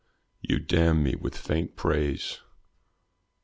"You damn me with faint praise."